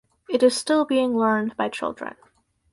It is still being learned by children.